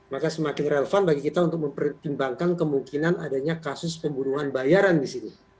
maka semakin relevan bagi kita untuk mempertimbangkan kemungkinan adanya kasus pembunuhan bayaran di sini